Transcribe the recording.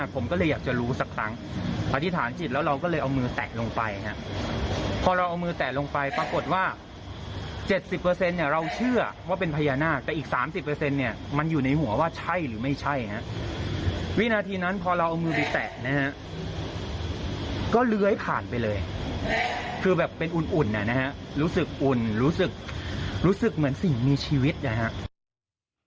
คือแบบเป็นอุ่นนะครับรู้สึกอุ่นรู้สึกเหมือนสิ่งมีชีวิตนะครับ